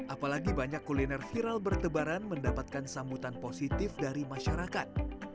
apalagi banyak kuliner viral bertebaran mendapatkan sambutan positif dari masyarakat